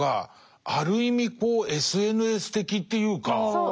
そう。